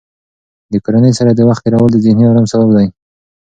د کورنۍ سره د وخت تېرول د ذهني ارام سبب دی.